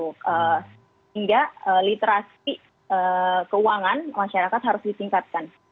sehingga literasi keuangan masyarakat harus ditingkatkan